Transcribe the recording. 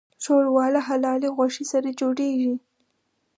ښوروا له حلالې غوښې سره جوړیږي.